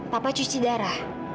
papa cuci darah